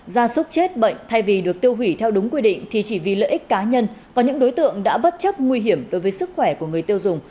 gia súc chết bệnh thay vì được tiêu hủy theo đúng quy định thì chỉ vì lợi ích cá nhân có những đối tượng đã bất chấp nguy hiểm đối với sức khỏe của người tiêu dùng